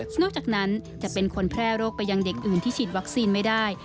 นอกจากนั้นจะเป็นคนแพร่โรคไปยังเด็กอื่นที่ฉีดวัคซีนไม่ได้